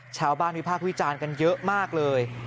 ชาวบ้านวิพากษ์วิจารณ์กันเยอะมากเลย